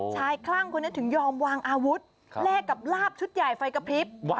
คลั่งคนนี้ถึงยอมวางอาวุธแลกกับลาบชุดใหญ่ไฟกระพริบ